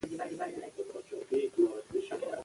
موږ باید د ګډو کارونو په ترسره کولو ماشومانو ته ونډه ورکړو